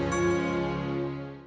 gak ada yang pilih